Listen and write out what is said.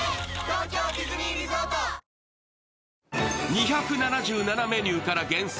２７７メニューから厳選！